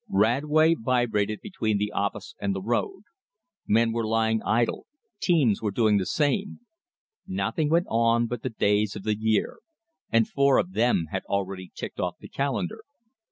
Radway vibrated between the office and the road. Men were lying idle; teams were doing the same. Nothing went on but the days of the year; and four of them had already ticked off the calendar.